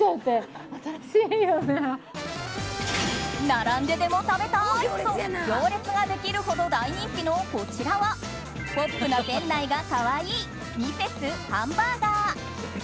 並んででも食べたい！と行列ができるほど大人気のこちらはポップな店内が可愛いミセスハンバーガー。